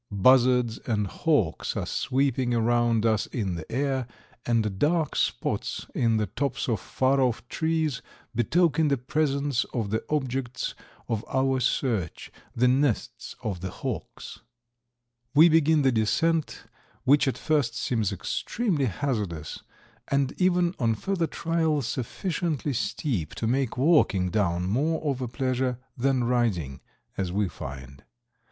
Buzzards and hawks are sweeping around us in the air, and dark spots in the tops of far off trees betoken the presence of the objects of our search, the nests of the hawks. We begin the descent, which at first seems extremely hazardous, and even on further trial sufficiently steep to make walking down more of a pleasure than riding, as we find.